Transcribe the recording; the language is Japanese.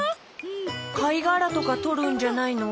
かいがらとかとるんじゃないの？